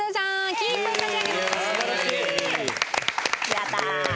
やったー！